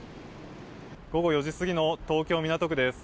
午後４時過ぎの東京・港区です。